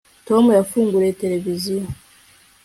Tom yafunguye televiziyo